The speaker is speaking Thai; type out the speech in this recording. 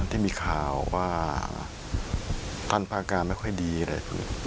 ที่มีข่าวว่าตันพาการไม่ค่อยดีอะไร